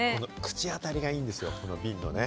口当たりがいいんですよ。